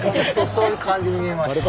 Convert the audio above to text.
そういう感じに見えました。